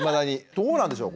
どうなんでしょう？